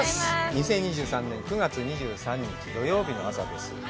２０２３年９月２３日土曜日の朝です。